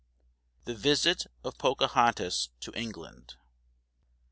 THE VISIT OF POCAHONTAS TO ENGLAND.